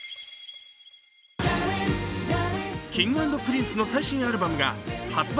Ｋｉｎｇ＆Ｐｒｉｎｃｅの最新アルバムが発売